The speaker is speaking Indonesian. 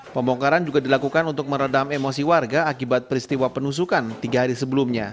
pembongkaran juga dilakukan untuk meredam emosi warga akibat peristiwa penusukan tiga hari sebelumnya